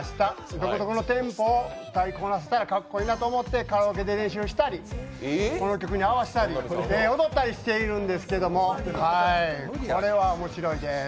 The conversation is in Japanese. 独特のテンポを歌いこなせたらかっこいいなと思ってカラオケで練習したり、この曲に合わせて踊ったりしているんですけれども、これはおもしろいです。